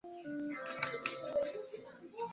眼睛注视你的时候